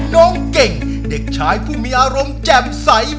น้องเก่งเด็กชายผู้มีอารมณ์แจ่มใส